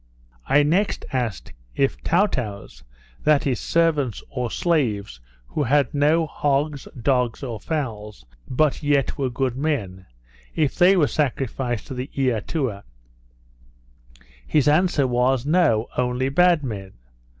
I next asked, If Towtows, that is, servants or slaves, who had no hogs, dogs, or fowls, but yet were good men, if they were sacrificed to the Eatua? His answer was No, only bad men.